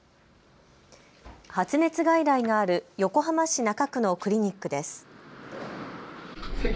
発熱外来がある横浜市中区のクリニックです。